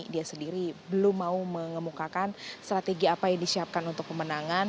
dia sendiri belum mau mengemukakan strategi apa yang disiapkan untuk pemenangan